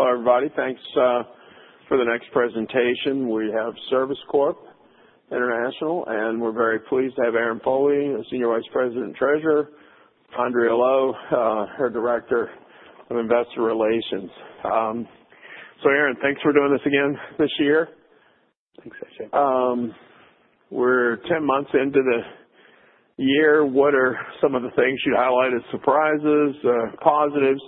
Hello, everybody. Thanks for the next presentation. We have Service Corporation International, and we're very pleased to have Aaron Foley, Senior Vice President and Treasurer, Andrea Lowe, her Director of Investor Relations. So, Aaron, thanks for doing this again this year. Thanks, A.J. We're 10 months into the year. What are some of the things you'd highlight as surprises, positives,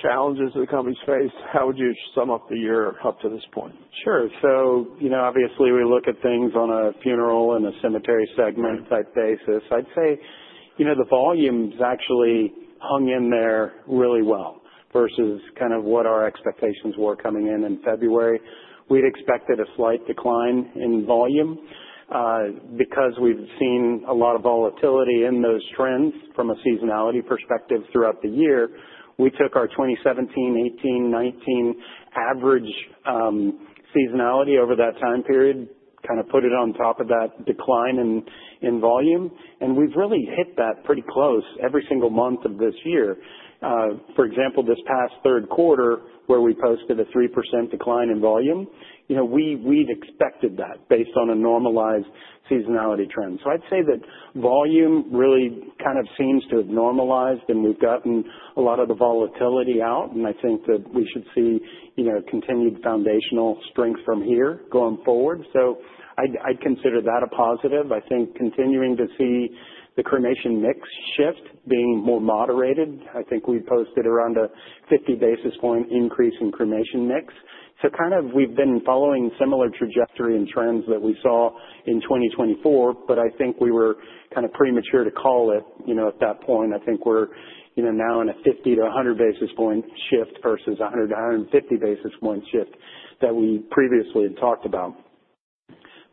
challenges that the company's faced? How would you sum up the year up to this point? Sure. So, obviously, we look at things on a funeral and a cemetery segment type basis. I'd say the volumes actually hung in there really well versus kind of what our expectations were coming in in February. We'd expected a slight decline in volume because we've seen a lot of volatility in those trends from a seasonality perspective throughout the year. We took our 2017, 2018, 2019 average seasonality over that time period, kind of put it on top of that decline in volume, and we've really hit that pretty close every single month of this year. For example, this past third quarter, where we posted a 3% decline in volume, we'd expected that based on a normalized seasonality trend. I'd say that volume really kind of seems to have normalized, and we've gotten a lot of the volatility out, and I think that we should see continued foundational strength from here going forward. So, I'd consider that a positive. I think continuing to see the cremation mix shift being more moderated. I think we posted around a 50 basis point increase in cremation mix. So, kind of we've been following similar trajectory and trends that we saw in 2024, but I think we were kind of premature to call it at that point. I think we're now in a 50-100 basis point shift versus 100-150 basis point shift that we previously had talked about.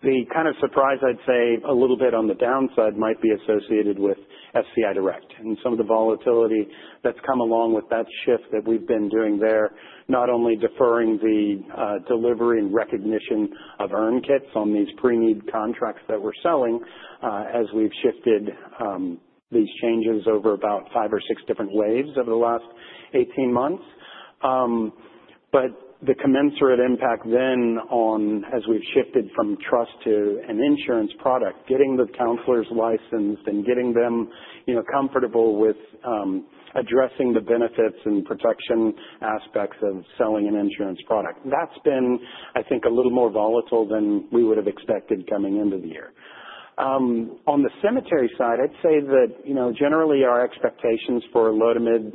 The kind of surprise, I'd say, a little bit on the downside might be associated with SCI Direct and some of the volatility that's come along with that shift that we've been doing there, not only deferring the delivery and recognition of urn kits on these pre-need contracts that we're selling as we've shifted these changes over about five or six different waves over the last 18 months. But the commensurate impact then on, as we've shifted from trust to an insurance product, getting the counselors licensed and getting them comfortable with addressing the benefits and protection aspects of selling an insurance product, that's been, I think, a little more volatile than we would have expected coming into the year. On the cemetery side, I'd say that generally our expectations for low to mid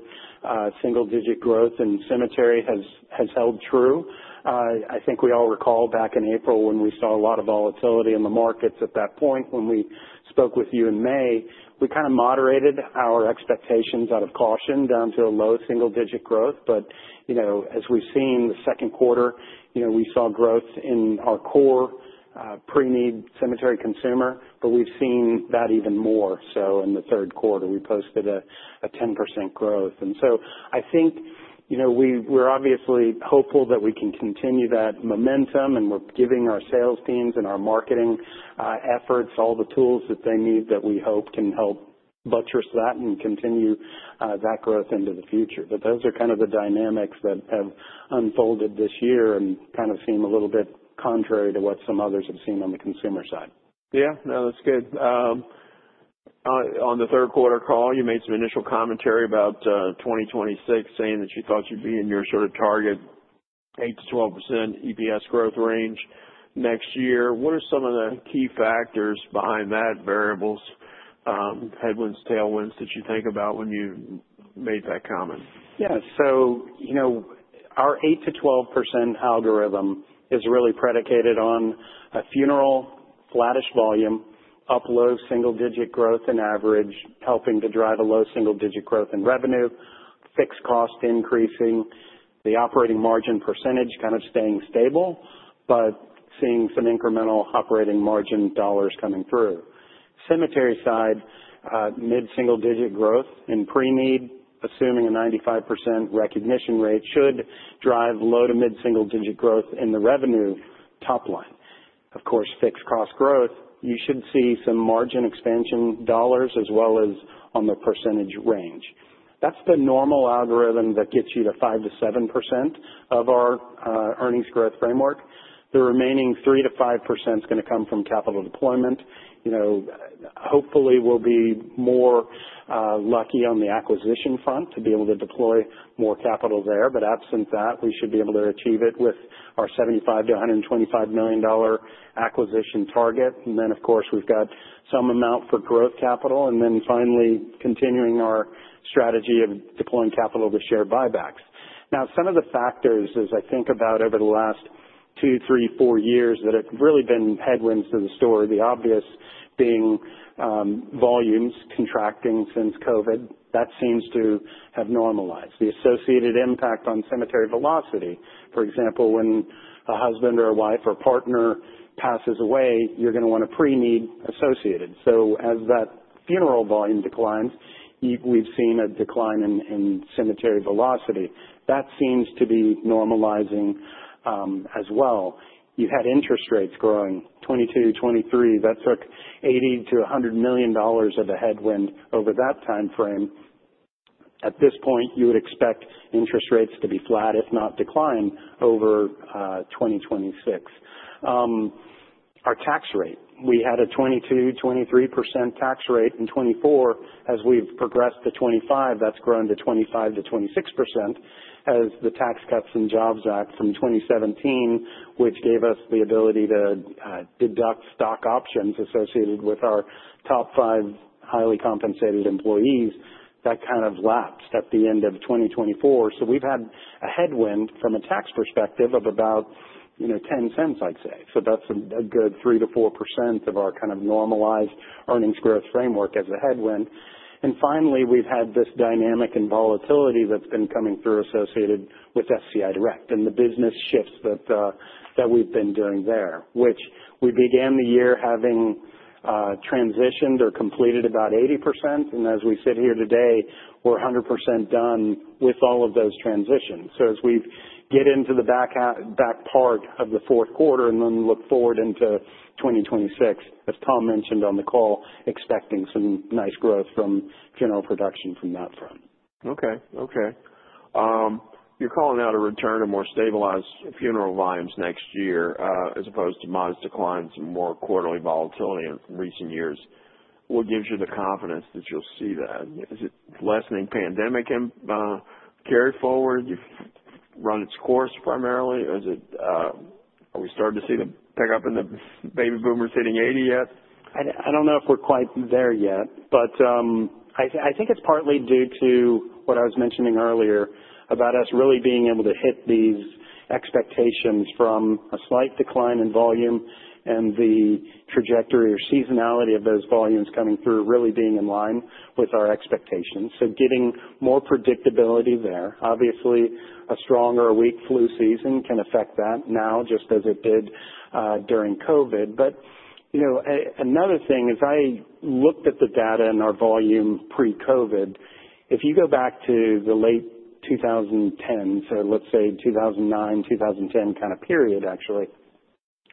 single-digit growth in cemetery have held true. I think we all recall back in April when we saw a lot of volatility in the markets at that point. When we spoke with you in May, we kind of moderated our expectations out of caution down to a low single-digit growth. But as we've seen the second quarter, we saw growth in our core pre-need cemetery consumer, but we've seen that even more. So, in the third quarter, we posted a 10% growth. And so, I think we're obviously hopeful that we can continue that momentum, and we're giving our sales teams and our marketing efforts all the tools that they need that we hope can help buttress that and continue that growth into the future. But those are kind of the dynamics that have unfolded this year and kind of seem a little bit contrary to what some others have seen on the consumer side. Yeah, no, that's good. On the third quarter call, you made some initial commentary about 2026, saying that you thought you'd be in your sort of target 8%-12% EPS growth range next year. What are some of the key factors behind that, variables, headwinds, tailwinds that you think about when you made that comment? Yeah. So, our 8%-12% algorithm is really predicated on a funeral, flattish volume, up low single-digit growth in average, helping to drive a low single-digit growth in revenue, fixed cost increasing, the operating margin percentage kind of staying stable, but seeing some incremental operating margin dollars coming through. Cemetery side, mid single-digit growth in pre-need, assuming a 95% recognition rate, should drive low to mid single-digit growth in the revenue top line. Of course, fixed cost growth, you should see some margin expansion dollars as well as on the percentage range. That's the normal algorithm that gets you to 5%-7% of our earnings growth framework. The remaining 3%-5% is going to come from capital deployment. Hopefully, we'll be more lucky on the acquisition front to be able to deploy more capital there. But absent that, we should be able to achieve it with our $75-$125 million acquisition target. And then, of course, we've got some amount for growth capital. And then finally, continuing our strategy of deploying capital with share buybacks. Now, some of the factors, as I think about over the last two, three, four years, that have really been headwinds to the sector, the obvious being volumes contracting since COVID, that seems to have normalized. The associated impact on cemetery velocity, for example, when a husband or a wife or partner passes away, you're going to want a pre-need as well. So, as that funeral volume declines, we've seen a decline in cemetery velocity. That seems to be normalizing as well. You had interest rates growing 2022, 2023. That took $80-$100 million of a headwind over that time frame. At this point, you would expect interest rates to be flat, if not decline, over 2026. Our tax rate, we had a 22-23% tax rate in 2024. As we've progressed to 2025, that's grown to 25%-26%. As the tax cuts in Jobs Act from 2017, which gave us the ability to deduct stock options associated with our top five highly compensated employees, that kind of lapsed at the end of 2024. So, we've had a headwind from a tax perspective of about $0.10, I'd say. So, that's a good 3%-4% of our kind of normalized earnings growth framework as a headwind. Finally, we've had this dynamic and volatility that's been coming through associated with SCI Direct and the business shifts that we've been doing there, which we began the year having transitioned or completed about 80%. And as we sit here today, we're 100% done with all of those transitions. So, as we get into the back part of the fourth quarter and then look forward into 2026, as Tom mentioned on the call, expecting some nice growth from funeral production from that front. Okay. Okay. You're calling out a return to more stabilized funeral volumes next year as opposed to modest declines and more quarterly volatility in recent years. What gives you the confidence that you'll see that? Is it lessening pandemic carry forward? Run its course primarily? Are we starting to see the pickup in the Baby Boomers hitting 80 yet? I don't know if we're quite there yet, but I think it's partly due to what I was mentioning earlier about us really being able to hit these expectations from a slight decline in volume and the trajectory or seasonality of those volumes coming through really being in line with our expectations. So, getting more predictability there. Obviously, a strong or a weak flu season can affect that now just as it did during COVID. But another thing is I looked at the data in our volume pre-COVID. If you go back to the late 2010s, so let's say 2009, 2010 kind of period, actually,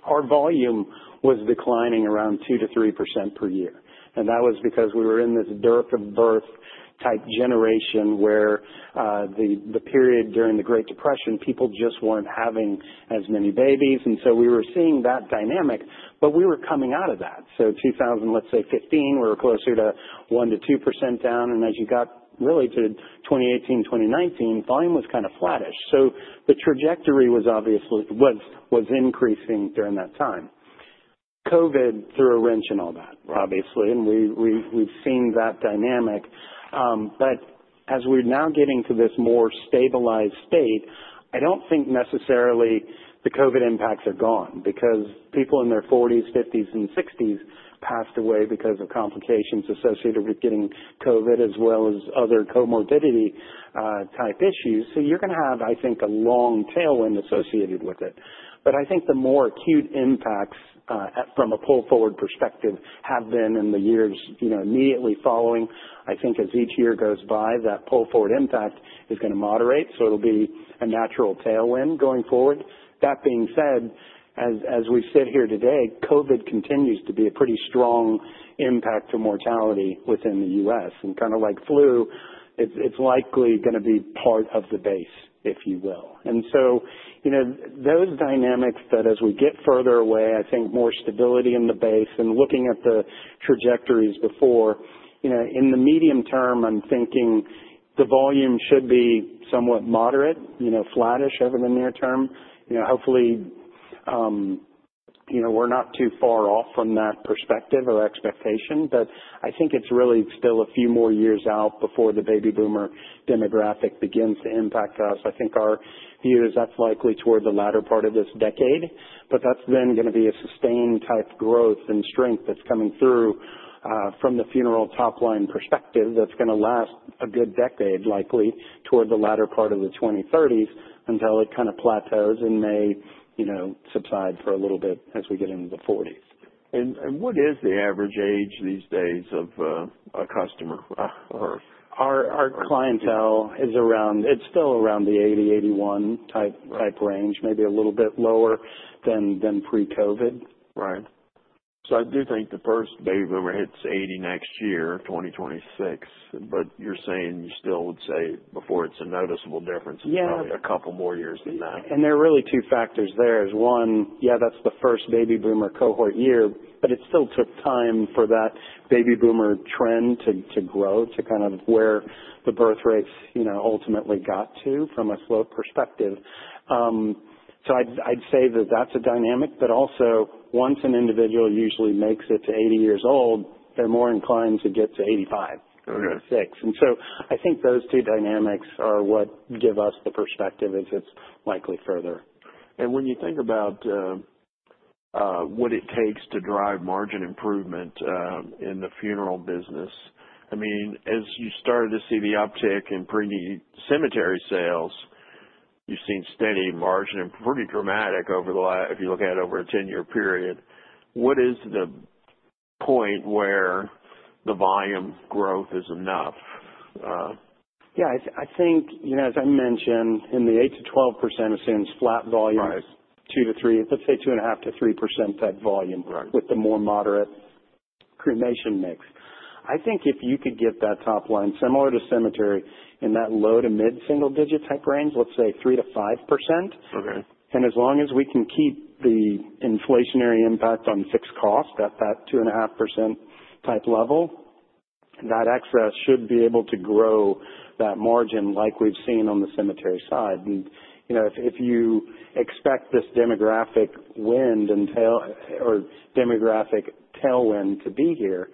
our volume was declining around 2%-3% per year, and that was because we were in this dearth of birth type generation where the period during the Great Depression, people just weren't having as many babies. And so, we were seeing that dynamic, but we were coming out of that. So, 2000, let's say 2015, we were closer to 1% to 2% down. And as you got really to 2018, 2019, volume was kind of flattish. So, the trajectory was obviously increasing during that time. COVID threw a wrench in all that, obviously, and we've seen that dynamic. But as we're now getting to this more stabilized state, I don't think necessarily the COVID impacts are gone because people in their 40s, 50s, and 60s passed away because of complications associated with getting COVID as well as other comorbidity type issues. So, you're going to have, I think, a long tailwind associated with it. But I think the more acute impacts from a pull-forward perspective have been in the years immediately following. I think as each year goes by, that pull-forward impact is going to moderate. So, it'll be a natural tailwind going forward. That being said, as we sit here today, COVID continues to be a pretty strong impact to mortality within the U.S. And kind of like flu, it's likely going to be part of the base, if you will. And so, those dynamics that as we get further away, I think more stability in the base and looking at the trajectories before, in the medium term, I'm thinking the volume should be somewhat moderate, flattish over the near term. Hopefully, we're not too far off from that perspective or expectation. But I think it's really still a few more years out before the Baby Boomer demographic begins to impact us. I think our view is that's likely toward the latter part of this decade. But that's then going to be a sustained type growth and strength that's coming through from the funeral top line perspective that's going to last a good decade, likely toward the latter part of the 2030s, until it kind of plateaus and may subside for a little bit as we get into the 40s. What is the average age these days of a customer? Our clientele is around. It's still around the 80-81 type range, maybe a little bit lower than pre-COVID. Right. So, I do think the first Baby Boomer hits 80 next year, 2026, but you're saying you still would say before it's a noticeable difference in probably a couple more years than that. And there are really two factors there. One, yeah, that's the first Baby Boomer cohort year, but it still took time for that Baby Boomer trend to grow to kind of where the birth rates ultimately got to from a slope perspective. So, I'd say that that's a dynamic. But also, once an individual usually makes it to 80 years old, they're more inclined to get to 85, 86. And so, I think those two dynamics are what give us the perspective as it's likely further. When you think about what it takes to drive margin improvement in the funeral business, I mean, as you started to see the uptick in pre-need cemetery sales, you've seen steady margin and pretty dramatic over the last, if you look at it over a 10-year period. What is the point where the volume growth is enough? Yeah. I think, as I mentioned, in the 8%-12%, assumes flat volumes, 2%-3%, let's say 2.5%-3% type volume with the more moderate cremation mix. I think if you could get that top line similar to cemetery in that low to mid single-digit type range, let's say 3%-5%. And as long as we can keep the inflationary impact on fixed cost at that 2.5% type level, that excess should be able to grow that margin like we've seen on the cemetery side. And if you expect this demographic wind or demographic tailwind to be here,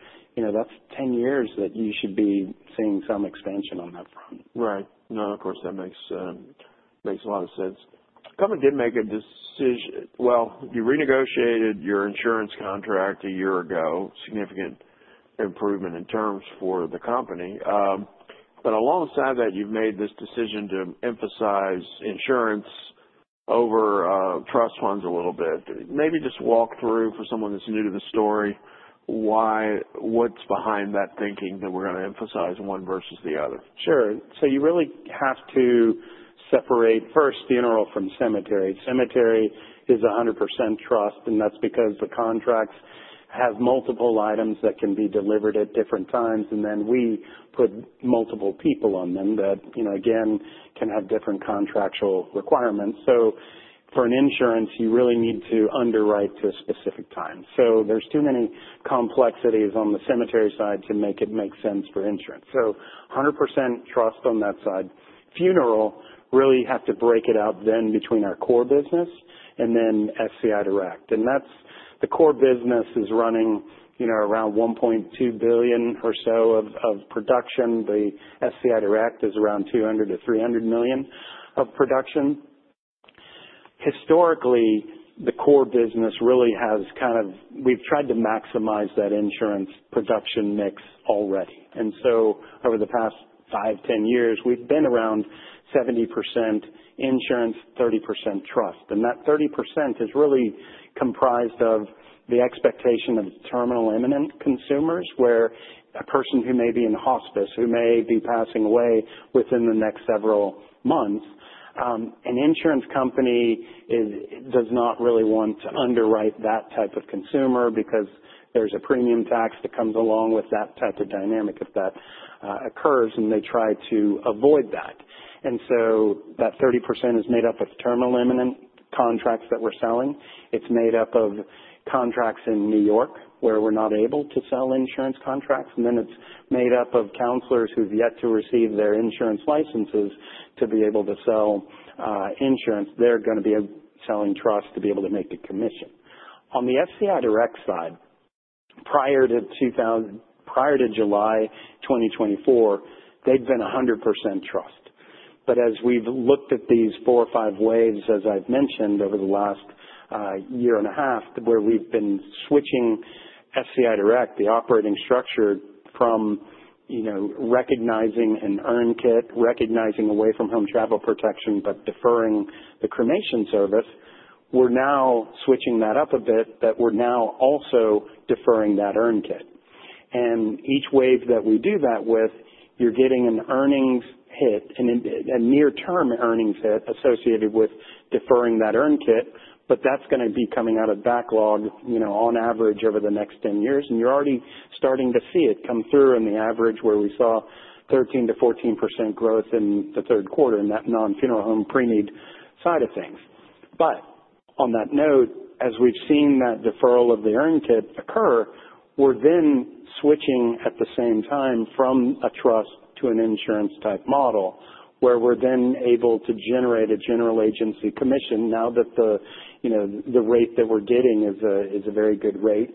that's 10 years that you should be seeing some expansion on that front. Right. No, of course, that makes a lot of sense. The company did make a decision. You renegotiated your insurance contract a year ago, significant improvement in terms for the company. But alongside that, you've made this decision to emphasize insurance over trust funds a little bit. Maybe just walk through for someone that's new to the story, what's behind that thinking that we're going to emphasize one versus the other? Sure. So, you really have to separate first funeral from cemetery. Cemetery is 100% trust, and that's because the contracts have multiple items that can be delivered at different times. And then we put multiple people on them that, again, can have different contractual requirements. So, for an insurance, you really need to underwrite to a specific time. So, there's too many complexities on the cemetery side to make it make sense for insurance. So, 100% trust on that side. Funeral really has to break it out then between our core business and then SCI Direct. And that's the core business is running around $1.2 billion or so of production. The SCI Direct is around $200 million-$300 million of production. Historically, the core business really has kind of, we've tried to maximize that insurance production mix already. Over the past five, 10 years, we've been around 70% insurance, 30% trust. That 30% is really comprised of the expectation of terminal imminent consumers where a person who may be in hospice, who may be passing away within the next several months, an insurance company does not really want to underwrite that type of consumer because there's a premium tax that comes along with that type of dynamic if that occurs, and they try to avoid that. That 30% is made up of terminal imminent contracts that we're selling. It's made up of contracts in New York where we're not able to sell insurance contracts. It's made up of counselors who've yet to receive their insurance licenses to be able to sell insurance. They're going to be selling trust to be able to make a commission. On the SCI Direct side, prior to July 2024, they'd been 100% trust. But as we've looked at these four or five waves, as I've mentioned over the last year and a half, where we've been switching SCI Direct, the operating structure from recognizing an urn kit, recognizing away from home travel protection, but deferring the cremation service, we're now switching that up a bit that we're now also deferring that urn kit. And each wave that we do that with, you're getting an earnings hit and a near-term earnings hit associated with deferring that urn kit. But that's going to be coming out of backlog on average over the next 10 years. And you're already starting to see it come through in the average where we saw 13%-14% growth in the third quarter in that non-funeral home pre-need side of things. But on that note, as we've seen that deferral of the urn kit occur, we're then switching at the same time from a trust to an insurance type model where we're then able to generate a general agency commission now that the rate that we're getting is a very good rate.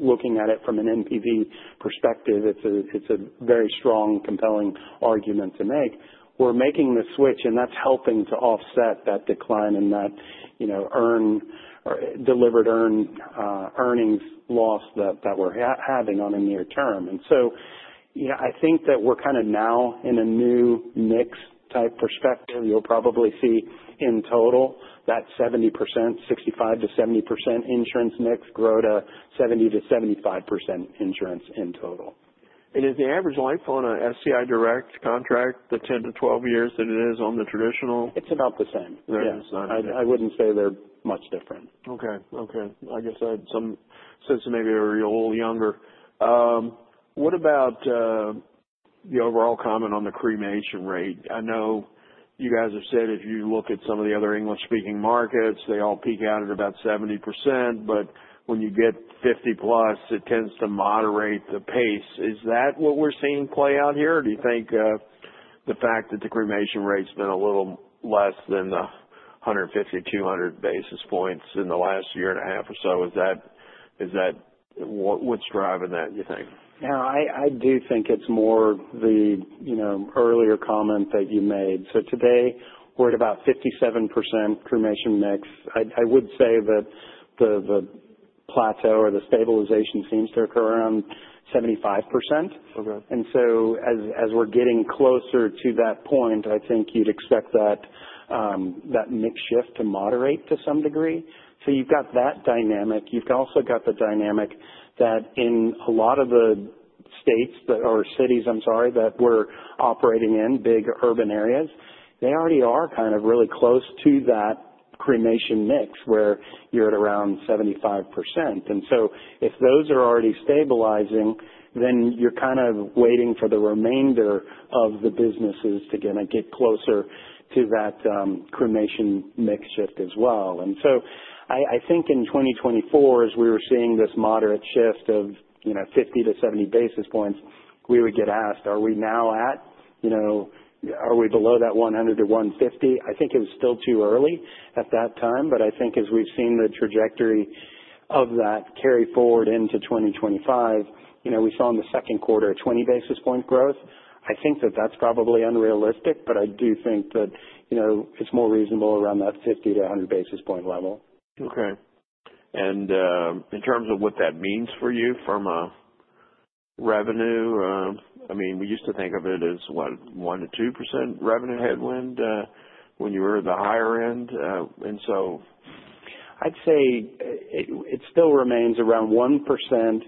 Looking at it from an NPV perspective, it's a very strong, compelling argument to make. We're making the switch, and that's helping to offset that decline in that delivered urn earnings loss that we're having on a near term. I think that we're kind of now in a new mix type perspective. You'll probably see in total that 70%, 65%-70% insurance mix grow to 70%-75% insurance in total. Is the average life on an SCI Direct contract the 10-12 years that it is on the traditional? It's about the same. I wouldn't say they're much different. Okay. Okay. I guess since maybe you're a little younger. What about the overall comment on the cremation rate? I know you guys have said if you look at some of the other English-speaking markets, they all peak out at about 70%. But when you get 50 plus, it tends to moderate the pace. Is that what we're seeing play out here? Or do you think the fact that the cremation rate's been a little less than the 150-200 basis points in the last year and a half or so, is that what's driving that, do you think? Now, I do think it's more the earlier comment that you made. So today, we're at about 57% cremation mix. I would say that the plateau or the stabilization seems to occur around 75%. And so, as we're getting closer to that point, I think you'd expect that mix shift to moderate to some degree. So you've got that dynamic. You've also got the dynamic that in a lot of the states or cities, I'm sorry, that we're operating in, big urban areas, they already are kind of really close to that cremation mix where you're at around 75%. And so, if those are already stabilizing, then you're kind of waiting for the remainder of the businesses to kind of get closer to that cremation mix shift as well. And so, I think in 2024, as we were seeing this moderate shift of 50-70 basis points, we would get asked, are we now at, are we below that 100-150? I think it was still too early at that time. But I think as we've seen the trajectory of that carry forward into 2025, we saw in the second quarter a 20 basis point growth. I think that that's probably unrealistic, but I do think that it's more reasonable around that 50-100 basis point level. Okay. And in terms of what that means for you from a revenue, I mean, we used to think of it as what, 1%-2% revenue headwind when you were at the higher end. And so. I'd say it still remains around 1%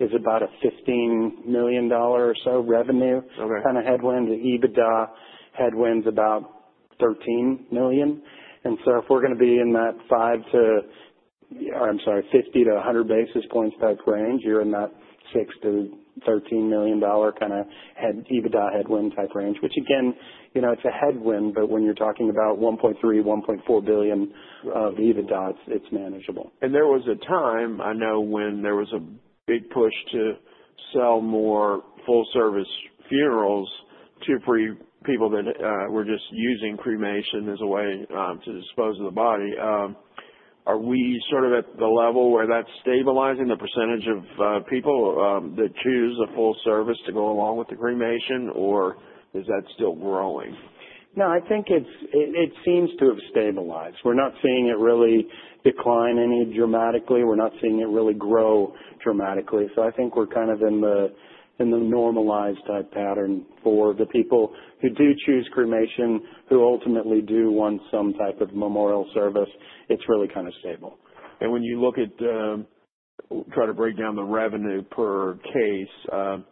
is about a $15 million or so revenue kind of headwind. EBITDA headwind's about $13 million. And so, if we're going to be in that 5 to, I'm sorry, 50 to 100 basis points type range, you're in that $6 million-$13 million kind of EBITDA headwind type range, which again, it's a headwind. But when you're talking about $1.3-$1.4 billion of EBITDA, it's manageable. And there was a time, I know, when there was a big push to sell more full-service funerals to people that were just using cremation as a way to dispose of the body. Are we sort of at the level where that's stabilizing the percentage of people that choose a full service to go along with the cremation, or is that still growing? No, I think it seems to have stabilized. We're not seeing it really decline any dramatically. We're not seeing it really grow dramatically. So, I think we're kind of in the normalized type pattern for the people who do choose cremation, who ultimately do want some type of memorial service. It's really kind of stable. When you look at trying to break down the revenue per case,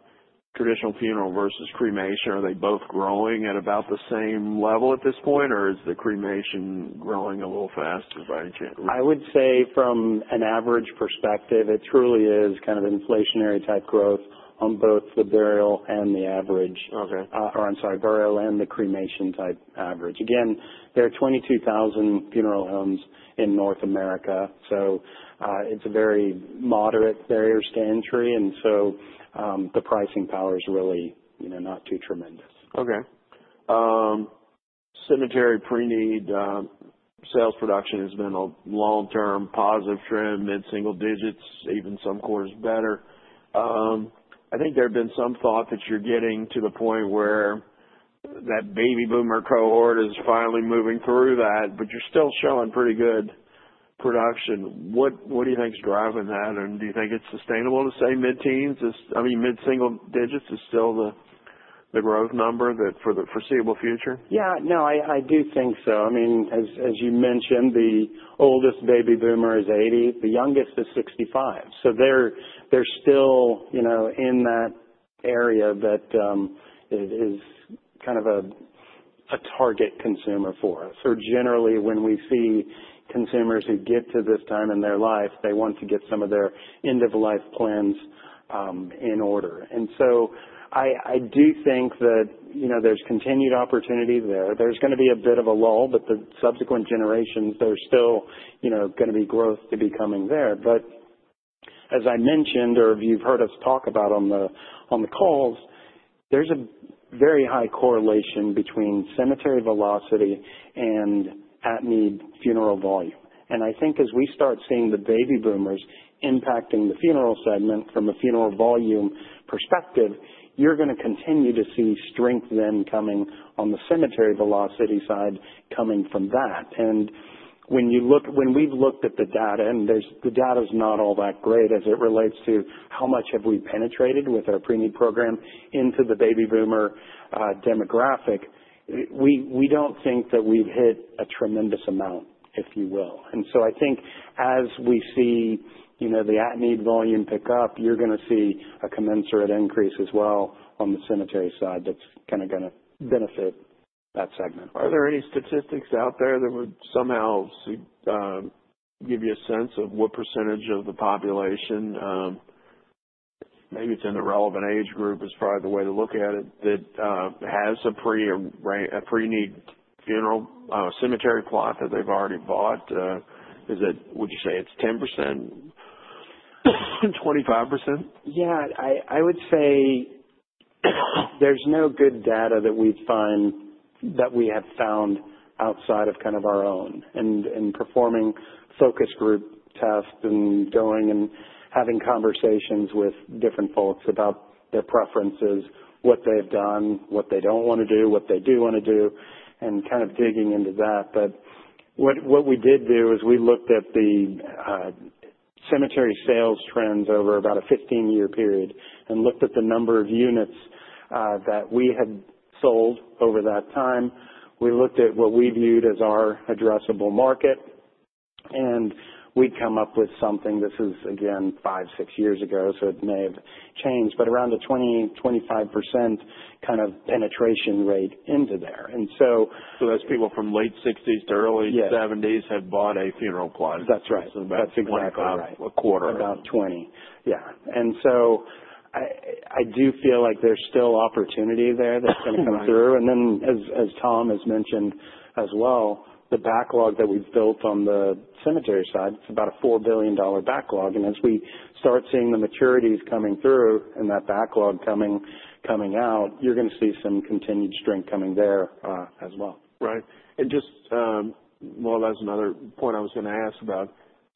traditional funeral versus cremation, are they both growing at about the same level at this point, or is the cremation growing a little faster by any chance? I would say from an average perspective, it truly is kind of inflationary type growth on both the burial and the average, or I'm sorry, burial and the cremation type average. Again, there are 22,000 funeral homes in North America. So, it's a very moderate barrier to entry, and so, the pricing power is really not too tremendous. Okay. Cemetery pre-need sales production has been a long-term positive trend, mid-single digits, even some quarters better. I think there have been some thought that you're getting to the point where that Baby Boomer cohort is finally moving through that, but you're still showing pretty good production. What do you think's driving that? And do you think it's sustainable to say mid-teens? I mean, mid-single digits is still the growth number for the foreseeable future? Yeah. No, I do think so. I mean, as you mentioned, the oldest Baby Boomer is 80. The youngest is 65. So, they're still in that area that is kind of a target consumer for us. Or generally, when we see consumers who get to this time in their life, they want to get some of their end-of-life plans in order. And so, I do think that there's continued opportunity there. There's going to be a bit of a lull, but the subsequent generations, there's still going to be growth to be coming there. But as I mentioned, or if you've heard us talk about on the calls, there's a very high correlation between cemetery velocity and at-need funeral volume. And I think as we start seeing the Baby Boomers impacting the funeral segment from a funeral volume perspective, you're going to continue to see strength then coming on the cemetery velocity side coming from that. And when we've looked at the data, and the data's not all that great as it relates to how much have we penetrated with our pre-need program into the Baby Boomer demographic, we don't think that we've hit a tremendous amount, if you will. And so, I think as we see the at-need volume pick up, you're going to see a commensurate increase as well on the cemetery side that's kind of going to benefit that segment. Are there any statistics out there that would somehow give you a sense of what percentage of the population, maybe it's in the relevant age group is probably the way to look at it, that has a pre-need funeral cemetery plot that they've already bought? Would you say it's 10%, 25%? Yeah. I would say there's no good data that we have found outside of kind of our own, and performing focus group tests and going and having conversations with different folks about their preferences, what they've done, what they don't want to do, what they do want to do, and kind of digging into that, but what we did do is we looked at the cemetery sales trends over about a 15-year period and looked at the number of units that we had sold over that time. We looked at what we viewed as our addressable market, and we'd come up with something. This is, again, five, six years ago, so it may have changed, but around a 20%-25% kind of penetration rate into there, and so. Those people from late 60s to early 70s had bought a funeral plot. That's right. That's exactly right. About a quarter. About 20. Yeah. And so, I do feel like there's still opportunity there that's going to come through. And then, as Tom has mentioned as well, the backlog that we've built on the cemetery side, it's about a $4 billion backlog. And as we start seeing the maturities coming through and that backlog coming out, you're going to see some continued strength coming there as well. Right. And just more or less another point I was going to ask about.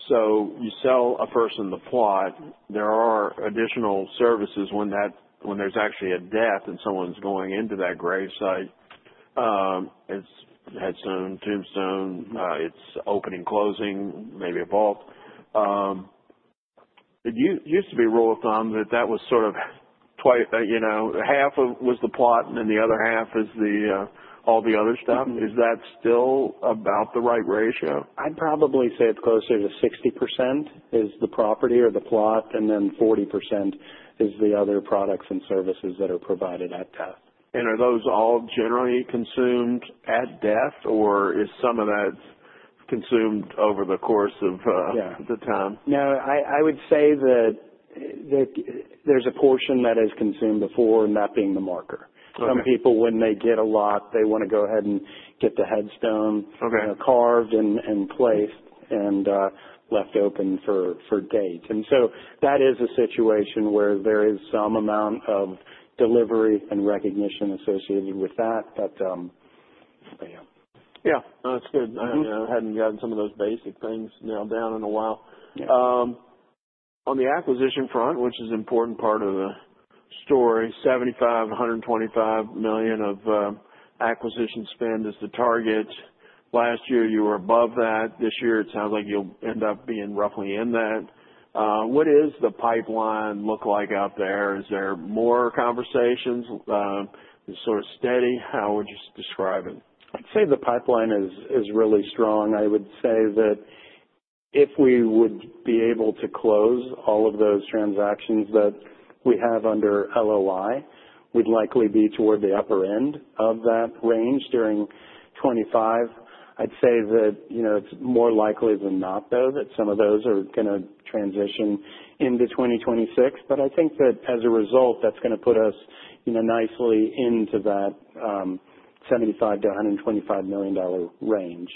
So, you sell a person the plot. There are additional services when there's actually a death and someone's going into that grave site. It's headstone, tombstone, it's opening, closing, maybe a vault. It used to be rule of thumb that that was sort of half was the plot and then the other half is all the other stuff. Is that still about the right ratio? I'd probably say it's closer to 60% is the property or the plot, and then 40% is the other products and services that are provided at death. Are those all generally consumed at death, or is some of that consumed over the course of the time? No. I would say that there's a portion that is consumed before, and that being the marker. Some people, when they get a lot, they want to go ahead and get the headstone carved and placed and left open for date. And so, that is a situation where there is some amount of delivery and recognition associated with that, but yeah. Yeah. No, that's good. I hadn't gotten some of those basic things nailed down in a while. On the acquisition front, which is an important part of the story, $75-$125 million of acquisition spend is the target. Last year, you were above that. This year, it sounds like you'll end up being roughly in that. What does the pipeline look like out there? Is there more conversations? Is it sort of steady? How would you describe it? I'd say the pipeline is really strong. I would say that if we would be able to close all of those transactions that we have under LOI, we'd likely be toward the upper end of that range during 2025. I'd say that it's more likely than not, though, that some of those are going to transition into 2026. But I think that as a result, that's going to put us nicely into that $75 million-$125 million range.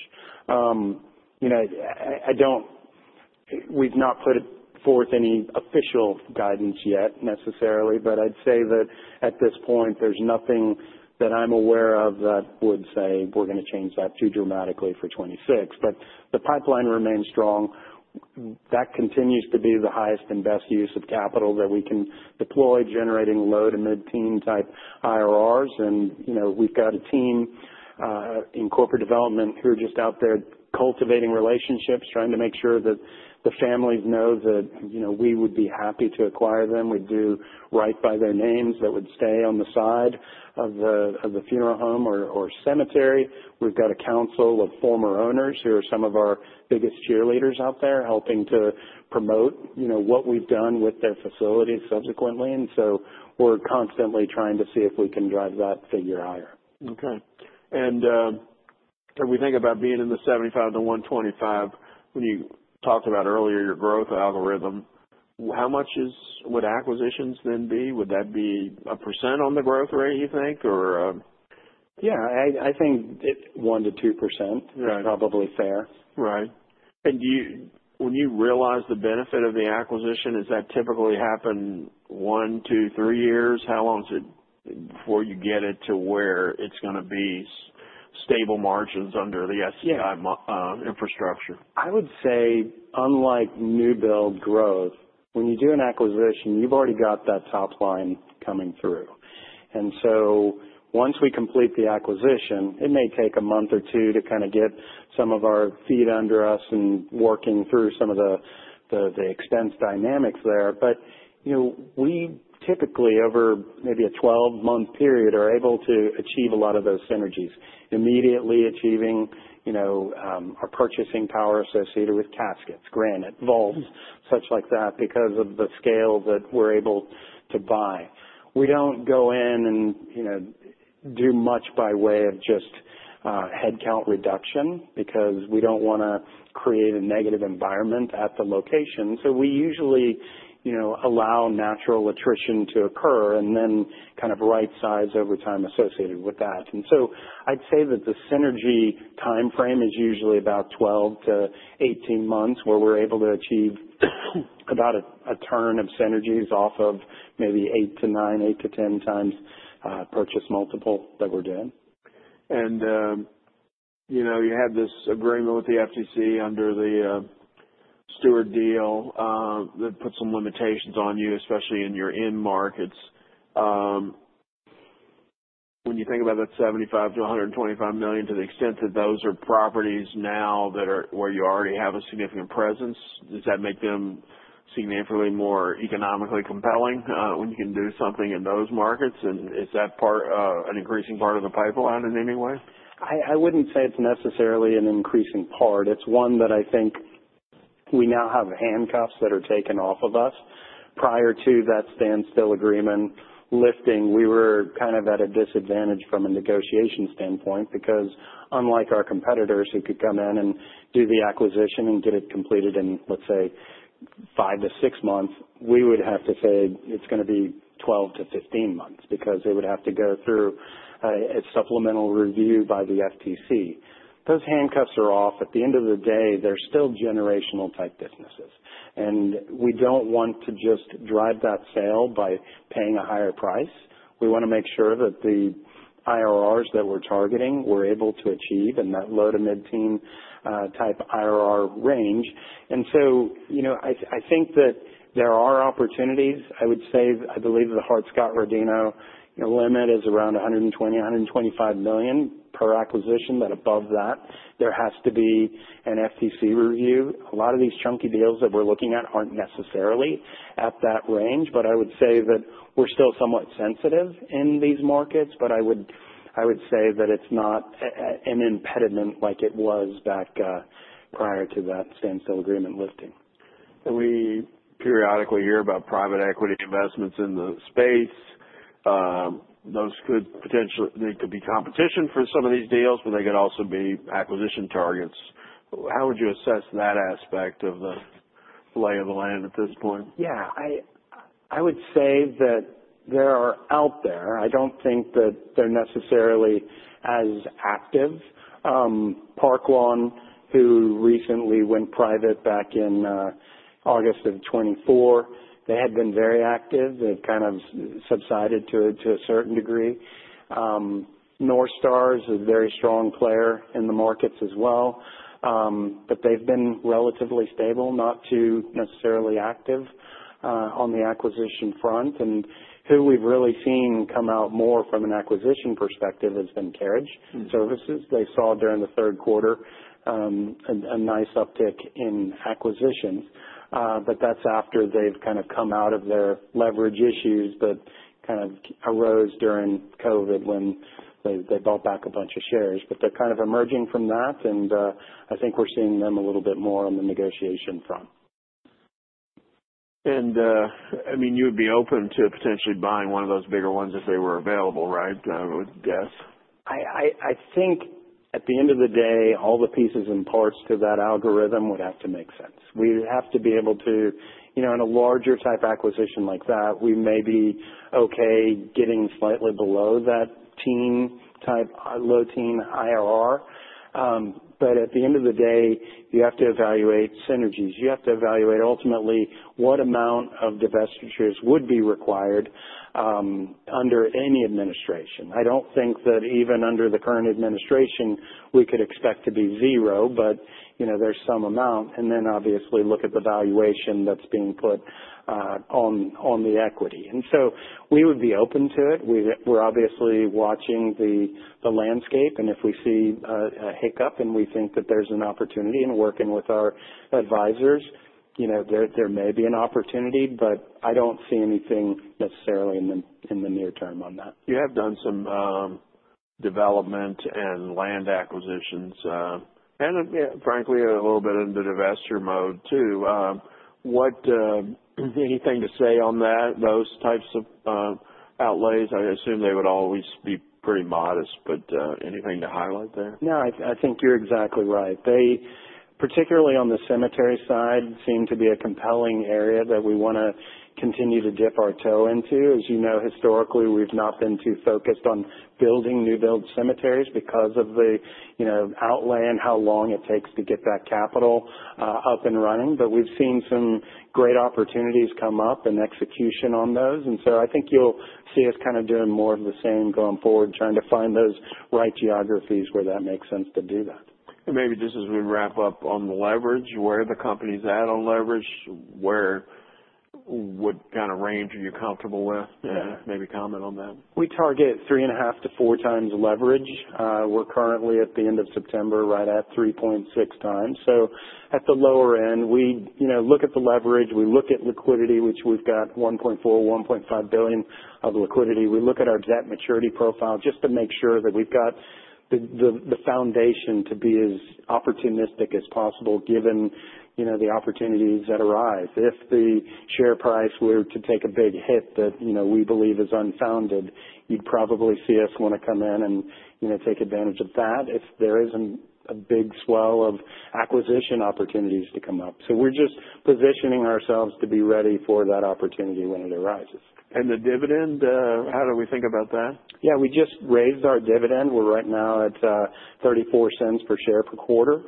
We've not put forth any official guidance yet necessarily, but I'd say that at this point, there's nothing that I'm aware of that would say we're going to change that too dramatically for 2026. But the pipeline remains strong. That continues to be the highest and best use of capital that we can deploy, generating low to mid-teen type IRRs. And we've got a team in corporate development who are just out there cultivating relationships, trying to make sure that the families know that we would be happy to acquire them. We'd do right by their names that would stay on the side of the funeral home or cemetery. We've got a council of former owners who are some of our biggest cheerleaders out there helping to promote what we've done with their facilities subsequently. And so, we're constantly trying to see if we can drive that figure higher. Okay. And if we think about being in the 75-125, when you talked about earlier your growth algorithm, how much would acquisitions then be? Would that be a % on the growth rate, you think, or? Yeah. I think 1%-2% is probably fair. Right, and when you realize the benefit of the acquisition, does that typically happen one, two, three years? How long is it before you get it to where it's going to be stable margins under the SCI infrastructure? I would say, unlike new build growth, when you do an acquisition, you've already got that top line coming through. And so, once we complete the acquisition, it may take a month or two to kind of get some of our feet under us and working through some of the expense dynamics there. But we typically, over maybe a 12-month period, are able to achieve a lot of those synergies, immediately achieving our purchasing power associated with caskets, granite, vaults, such like that, because of the scale that we're able to buy. We don't go in and do much by way of just headcount reduction because we don't want to create a negative environment at the location. So, we usually allow natural attrition to occur and then kind of right size over time associated with that. I'd say that the synergy timeframe is usually about 12-18 months where we're able to achieve about a turn of synergies off of maybe 8-9, 8-10 times purchase multiple that we're doing. You had this agreement with the FTC under the Stewart deal that put some limitations on you, especially in your end markets. When you think about that $75 million-$125 million, to the extent that those are properties now where you already have a significant presence, does that make them significantly more economically compelling when you can do something in those markets? And is that an increasing part of the pipeline in any way? I wouldn't say it's necessarily an increasing part. It's one that I think we now have handcuffs that are taken off of us. Prior to that standstill agreement lifting, we were kind of at a disadvantage from a negotiation standpoint because, unlike our competitors who could come in and do the acquisition and get it completed in, let's say, five to six months, we would have to say it's going to be 12 to 15 months because they would have to go through a supplemental review by the FTC. Those handcuffs are off. At the end of the day, they're still generational type businesses. And we don't want to just drive that sale by paying a higher price. We want to make sure that the IRRs that we're targeting we're able to achieve and that low to mid-teen type IRR range. And so, I think that there are opportunities. I would say, I believe the Hart-Scott-Rodino limit is around $120-125 million per acquisition, but above that, there has to be an FTC review. A lot of these chunky deals that we're looking at aren't necessarily at that range, but I would say that we're still somewhat sensitive in these markets. But I would say that it's not an impediment like it was back prior to that standstill agreement lifting. And we periodically hear about private equity investments in the space. Those could potentially be competition for some of these deals, but they could also be acquisition targets. How would you assess that aspect of the lay of the land at this point? Yeah. I would say that there are out there. I don't think that they're necessarily as active. Park Lawn, who recently went private back in August of 2024, they had been very active. They've kind of subsided to a certain degree. NorthStar is a very strong player in the markets as well, but they've been relatively stable, not too necessarily active on the acquisition front. And who we've really seen come out more from an acquisition perspective has been Carriage Services. They saw during the third quarter a nice uptick in acquisitions, but that's after they've kind of come out of their leverage issues that kind of arose during COVID when they bought back a bunch of shares. But they're kind of emerging from that, and I think we're seeing them a little bit more on the negotiation front. I mean, you would be open to potentially buying one of those bigger ones if they were available, right, I guess? I think at the end of the day, all the pieces and parts to that algorithm would have to make sense. We'd have to be able to, in a larger type acquisition like that, we may be okay getting slightly below that teen type, low teen IRR. But at the end of the day, you have to evaluate synergies. You have to evaluate ultimately what amount of divestitures would be required under any administration. I don't think that even under the current administration, we could expect to be zero, but there's some amount. And then, obviously, look at the valuation that's being put on the equity. And so, we would be open to it. We're obviously watching the landscape, and if we see a hiccup and we think that there's an opportunity in working with our advisors, there may be an opportunity, but I don't see anything necessarily in the near term on that. You have done some development and land acquisitions and, frankly, a little bit into divestiture mode too. Anything to say on those types of outlays? I assume they would always be pretty modest, but anything to highlight there? No. I think you're exactly right. Particularly on the cemetery side, it seemed to be a compelling area that we want to continue to dip our toe into. As you know, historically, we've not been too focused on building new build cemeteries because of the outlay and how long it takes to get that capital up and running. But we've seen some great opportunities come up and execution on those. And so, I think you'll see us kind of doing more of the same going forward, trying to find those right geographies where that makes sense to do that. Maybe just as we wrap up on the leverage, where are the companies at on leverage? What kind of range are you comfortable with? Maybe comment on that. We target three and a half to four times leverage. We're currently at the end of September right at 3.6 times. So, at the lower end, we look at the leverage. We look at liquidity, which we've got $1.4-$1.5 billion of liquidity. We look at our debt maturity profile just to make sure that we've got the foundation to be as opportunistic as possible given the opportunities that arise. If the share price were to take a big hit that we believe is unfounded, you'd probably see us want to come in and take advantage of that if there is a big swell of acquisition opportunities to come up. So, we're just positioning ourselves to be ready for that opportunity when it arises. The dividend, how do we think about that? Yeah. We just raised our dividend. We're right now at $0.34 per share per quarter.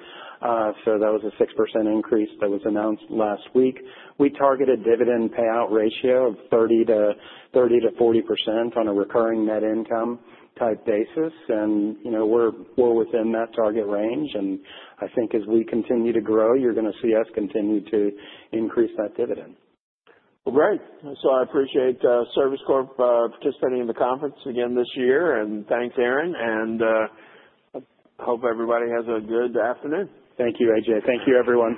So, that was a 6% increase that was announced last week. We target a dividend payout ratio of 30%-40% on a recurring net income type basis. And we're within that target range. And I think as we continue to grow, you're going to see us continue to increase that dividend. Great. I appreciate Service Corporation participating in the conference again this year. Thanks, Aaron. I hope everybody has a good afternoon. Thank you, AJ. Thank you, everyone.